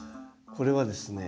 これはですね